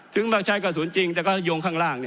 มาใช้กระสุนจริงแต่ก็โยงข้างล่าง